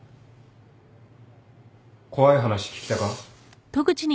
・怖い話聞きたか？